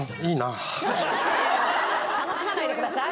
楽しまないでください。